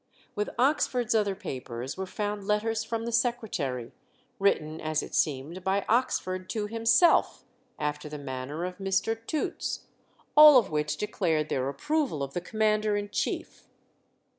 With Oxford's other papers were found letters from the secretary, written as it seemed by Oxford to himself, after the manner of Mr. Toots, all of which declared their approval of the commander in chief.